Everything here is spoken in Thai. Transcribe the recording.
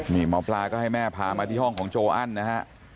นี่หมอปลาก็ให้แม่พามาที่ห้องของโจอันนะฮะ